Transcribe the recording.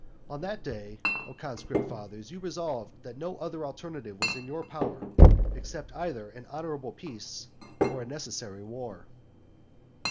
And on that day, O conscript fathers, you resolved that no other alternative was in your power, except either an honourable peace, or a necessary war.